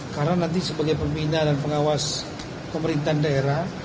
karena nanti sebagai pembina dan pengawas pemerintahan daerah